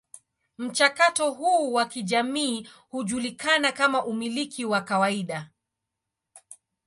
Mchakato huu wa kijamii hujulikana kama umiliki wa kawaida.